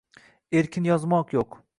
эркин ёзмоқ йўқ.